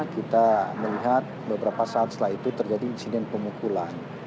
kita melihat beberapa saat setelah itu terjadi insiden pemukulan